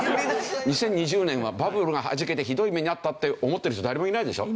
２０２０年はバブルがはじけてひどい目に遭ったって思ってる人誰もいないでしょ？